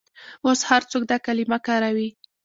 اوس هر څوک دا کلمه کاروي.